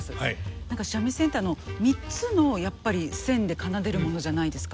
何か三味線ってあの３つのやっぱり線で奏でるものじゃないですか。